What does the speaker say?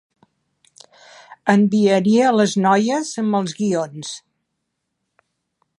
Enviaria les noies amb els guions.